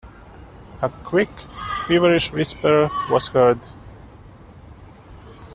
A quick, feverish whisper was heard.